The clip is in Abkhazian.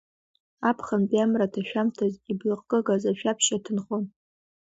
Аԥхынтәи амра аҭашәамҭаз иблахкыгаз ашәаԥшь аҭынхон…